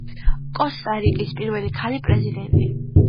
კოსტა-რიკის პირველი ქალი პრეზიდენტი.